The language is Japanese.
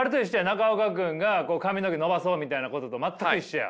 中岡君が髪の毛伸ばそうみたいなことと全く一緒や。